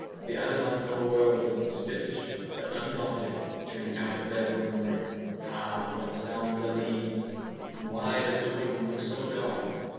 The Anabanco world stiffish but undaunted is turning out of bed one morning. Ha! what sounds are these? And why does the room look so dark?